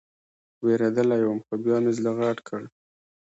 وېرېدلى وم خو بيا مې زړه غټ کړ.